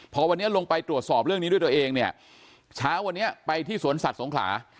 พอวันนี้ลงไปตรวจสอบเรื่องนี้ด้วยตัวเองเนี่ยเช้าวันนี้ไปที่สวนสัตว์สงขลา